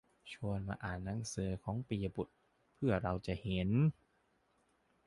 ชวนมาอ่านหนังสือของปิยบุตรเพื่อเราจะเห็น